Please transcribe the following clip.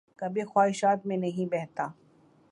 کبھی خواہشات میں نہیں بہتا